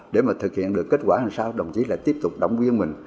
để mà thực hiện được kết quả làm sao đồng chí lại tiếp tục động viên mình